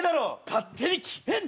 勝手に決めんな！